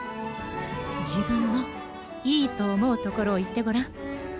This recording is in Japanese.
じぶんのいいとおもうところをいってごらん。